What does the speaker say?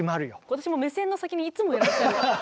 私も目線の先にいつもいらっしゃる。